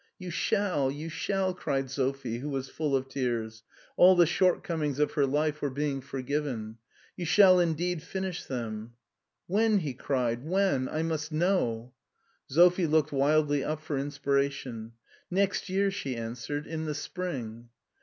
" You shall, you shall," cried Sophie, who was full of tears. All the shortcomings of her life were being forgiven. " You shall indeed finish them." " When ?" he cried, " when ? I must know." Sophie looked wildly up for inspiration. " Next year," she answered, " in the spring."